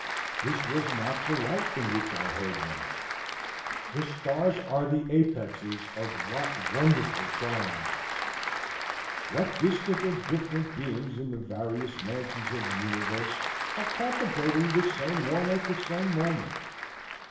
This was not the light in which I hoed them. The stars are the apexes of what wonderful triangles! What distant and different beings in the various mansions of the universe are contemplating the same one at the same moment!